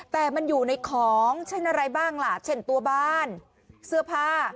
แต่มันอยู่ในของเช่นอะไรบ้างล่ะเช่นตัวบ้านเสื้อผ้า